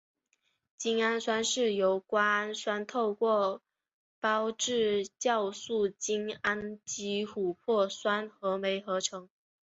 精氨酸是由瓜氨酸透过胞质酵素精氨基琥珀酸合酶合成。